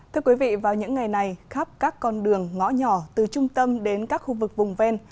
thưa quý vị vào những ngày này khắp các con đường ngõ nhỏ từ trung tâm đến các khu vực vùng ven